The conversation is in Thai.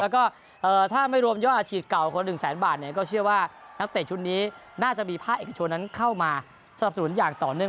แล้วก็ถ้าไม่รวมยอดอาชีพเก่าคน๑แสนบาทเนี่ยก็เชื่อว่านักเตะชุดนี้น่าจะมีภาคเอกชนนั้นเข้ามาสนับสนุนอย่างต่อเนื่อง